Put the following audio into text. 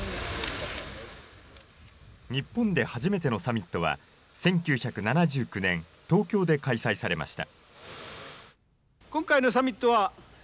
日本で初めてのサミットは、１９７９年、東京で開催されました。